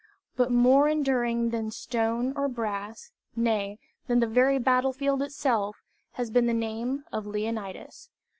But more enduring than stone or brass nay, than the very battle field itself has been the name of Leonidas.